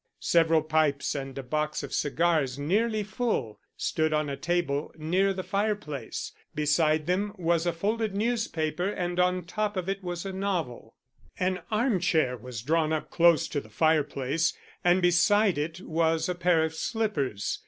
Several pipes and a box of cigars, nearly full, stood on a table near the fireplace. Beside them was a folded newspaper, and on top of it was a novel. An arm chair was drawn up close to the fire place, and beside it was a pair of slippers.